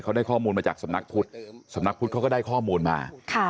เขาได้ข้อมูลมาจากสำนักพุทธสำนักพุทธเขาก็ได้ข้อมูลมา